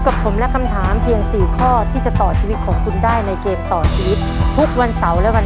ขอบคุณครับ